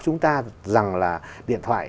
chúng ta rằng là điện thoại